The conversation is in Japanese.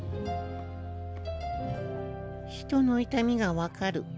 人の痛みが分かる。